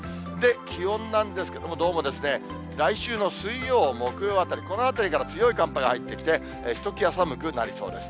気温なんですけれども、どうも来週の水曜、木曜あたり、このあたりから強い寒波が入ってきて、ひときわ寒くなりそうです。